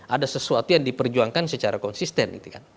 ada sesuatu yang diperjuangkan secara konsisten